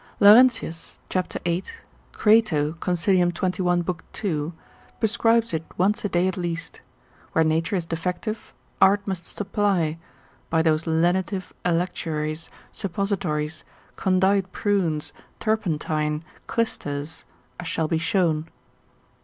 Laurentius, cap. 8, Crato, consil. 21. l. 2. prescribes it once a day at least: where nature is defective, art must supply, by those lenitive electuaries, suppositories, condite prunes, turpentine, clysters, as shall be shown.